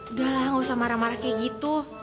udah lah gak usah marah marah kayak gitu